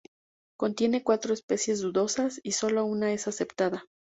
Contiene cuatro especies dudosas y solo una es aceptada.